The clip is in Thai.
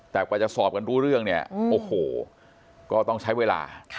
แต่กว่าจะสอบกันรู้เรื่องเนี่ยโอ้โหก็ต้องใช้เวลา